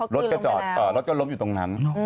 รถก็จอดรถก็ล้มอยู่ตรงนั้น